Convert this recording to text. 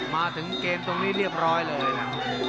มาถึงเกมตรงนี้เรียบร้อยเลยนะ